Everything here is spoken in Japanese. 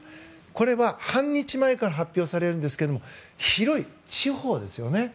これは半日前から発表されますが広い地方ですよね。